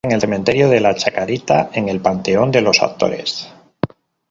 Fue enterrado en el Cementerio de la Chacarita, en el Panteón de los Actores.